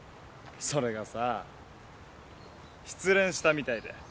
それがさ失恋したみたいで。